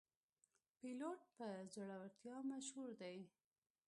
پیلوټ په زړورتیا مشهور دی.